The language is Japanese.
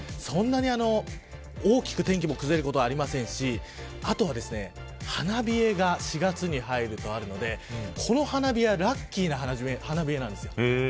そんなに大きく天気も崩れることはありませんしあとは花冷えが４月に入るとあるのでこの花冷えはラッキーな花冷えなんです。